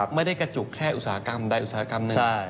ไม่ได้กระจุกแค่อุตสาหกรรมใดอุตสาหกรรมหนึ่ง